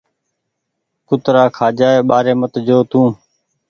ڪُترآ کآجآئي ٻآري مت جو تونٚ